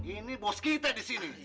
ini bos kita di sini